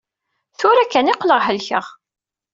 Tura kan i qqleɣ helkeɣ.